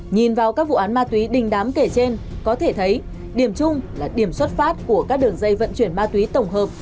nhìn vào các vụ án ma túy đình đám kể trên có thể thấy điểm chung là điểm xuất phát của các đường dây vận chuyển ma túy tổng hợp